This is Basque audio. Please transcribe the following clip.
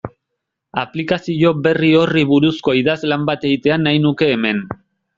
Aplikazio berri horri buruzko idazlan bat egitea nahi nuke hemen.